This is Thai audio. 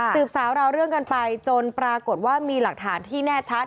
สาวราวเรื่องกันไปจนปรากฏว่ามีหลักฐานที่แน่ชัด